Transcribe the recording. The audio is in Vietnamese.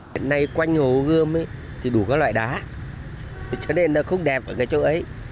hiện nay quanh hồ gươm thì đủ các loại đá cho nên nó không đẹp ở cái chỗ ấy